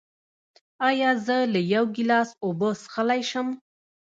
ایا زه له یو ګیلاس اوبه څښلی شم؟